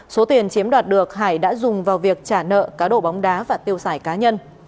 số tiền chiếm đoạt được hải đã dùng vào việc trả nợ cá đổ bóng đá và tiêu xài cá nhân